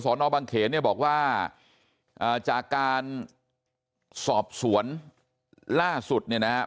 นอบังเขนเนี่ยบอกว่าอ่าจากการสอบสวนล่าสุดเนี่ยนะครับ